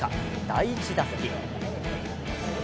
第１打席。